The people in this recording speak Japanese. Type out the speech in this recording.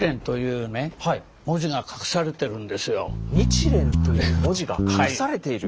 「日蓮」という文字が隠されている？